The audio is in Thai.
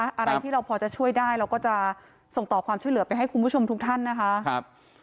อะไรที่เราพอจะช่วยได้เราก็จะส่งต่อความช่วยเหลือไปให้คุณผู้ชมทุกท่านนะคะครับ